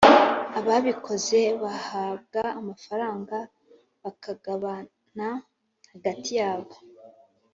Ababikoze bahabwa amafaranga bakagabana hagati yabo